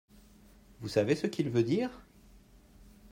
Vous savez ce qu'il veut dire ?